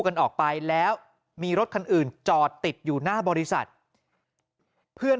กันออกไปแล้วมีรถคันอื่นจอดติดอยู่หน้าบริษัทเพื่อน